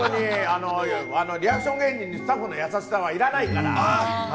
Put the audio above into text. リアクション芸人にスタッフの優しさはいらないから。